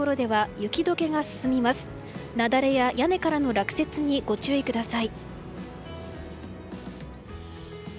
雪崩や屋根からの落雪にご注意ください。